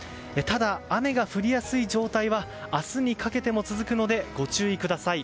ただ、雨が降りやすい状態は明日にかけても続くのでご注意ください。